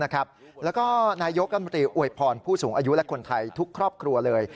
แล้วก็นายกรัฐมนตรีอวยพรผู้สูงอายุและคนไทยทุกครอบครัวเลย